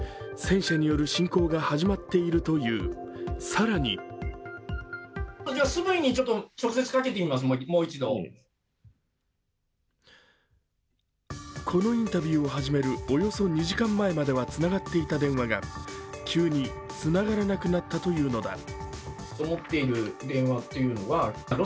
戦車による侵攻が始まっているという、更にこのインタビューを始めるおよそ２時間前まではつながっていた電話が急につながらなくなったというのだ。